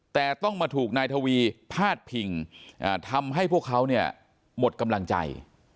แต่ต้องมาถูกนายทวีพาดพิงทำให้พวกเขาเนี่ยหมดกำลังใจ